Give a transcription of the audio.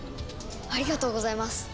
ありがとうございます。